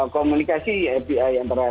komunikasi api antara